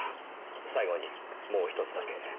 最後にもう一つだけ。